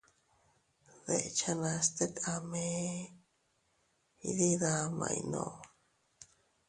Deʼchanas tet a mee iydidamay nuu.